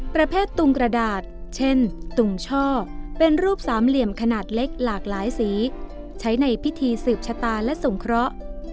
ประเภทตุงกระดาษเช่นตุงช่อเป็นรูปสามเหลี่ยมขนาดเล็กหลากหลายสีใช้ในพิธีสืบชะตาและสงเคราะห์